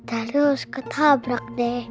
terus ketabrak deh